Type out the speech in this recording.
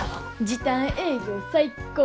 時短営業最高。